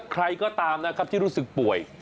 ใครก็ตามนะครับที่รู้สึกป่วย